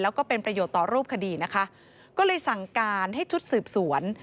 แล้วก็เป็นประโยชน์ต่อรูปคดีนะคะก็เลยสั่งการให้ชุดสืบสวน